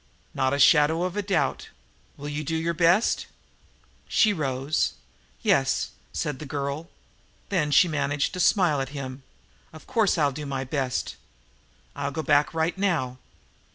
"Not a shadow of a doubt. Will you do your best?" She rose. "Yes," said the girl. Then she managed to smile at him. "Of course I'll do my best. I'll go back right now."